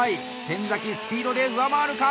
先スピードで上回るか？